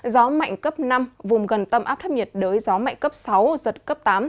gió mạnh cấp năm vùng gần tâm áp thấp nhiệt đới gió mạnh cấp sáu giật cấp tám